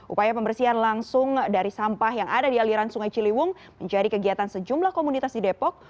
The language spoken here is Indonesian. upaya pembersihan langsung dari sampah yang ada di aliran sungai ciliwung menjadi kegiatan sejumlah komunitas di depok